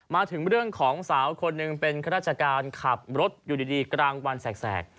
มาถึงเรื่องของสาวคนหนึ่งเป็นข้าราชการขับรถอยู่ดีกลางวันแสก